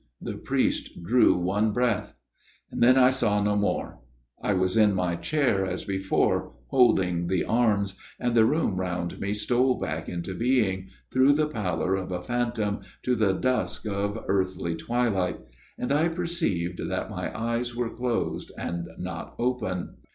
The priest drew one breath. " Then I saw no more. I was in my chair as before, holding the arms ; and the room round me stole back into being through the pallor of a phantom, to the dusk of earthly twilight ; and I perceived that my eyes were closed and not open.